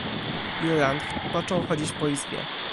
"Jurand począł chodzić po izbie."